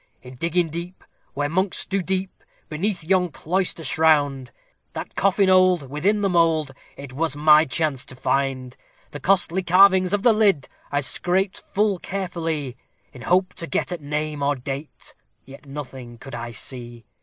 "In digging deep, where monks do sleep, beneath yon cloister shrined, That coffin old, within the mould, it was my chance to find; The costly carvings of the lid I scraped full carefully, In hope to get at name or date, yet nothing could I see.